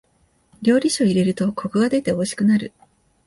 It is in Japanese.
料理酒を入れるとコクが出ておいしくなる。